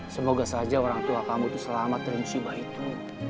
semoga saja orang tua kamu itu selamat dari musibah itu